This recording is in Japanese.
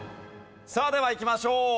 さあではいきましょう。